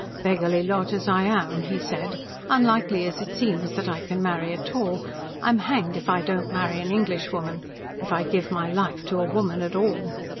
"Beggarly lot as I am," he said, "unlikely as it seems that I can marry at all, I'm hanged if I don't marry an Englishwoman, if I give my life to a woman at all."